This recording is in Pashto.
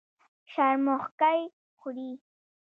شرموښکۍ خوري.